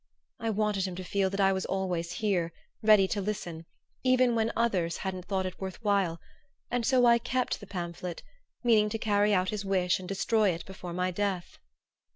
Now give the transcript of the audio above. I wanted him to feel that I was always here, ready to listen, even when others hadn't thought it worth while; and so I kept the pamphlet, meaning to carry out his wish and destroy it before my death."